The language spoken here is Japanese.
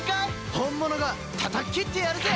本物がたたっ斬ってやるぜ！